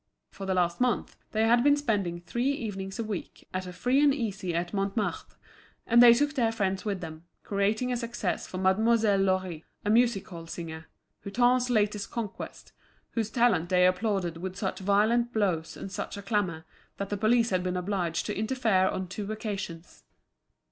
For the last month they had been spending three evenings a week at a free and easy at Montmartre; and they took their friends with them, creating a success for Mademoiselle Laure, a music hall singer, Hutin's latest conquest, whose talent they applauded with such violent blows and such a clamour that the police had been obliged to interfere on two occasions.